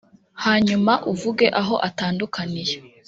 hanyuma uvuge aho atandukaniye